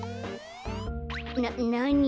ななに？